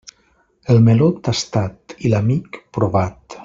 El meló, tastat, i l'amic, provat.